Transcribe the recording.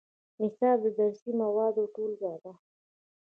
نصاب د درسي موادو ټولګه ده